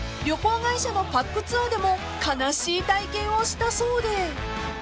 ［旅行会社のパックツアーでも悲しい体験をしたそうで］